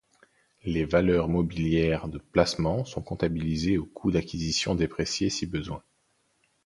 Les valeurs mobilières de placement sont comptabilisées au coût d'acquisition déprécié si besoin.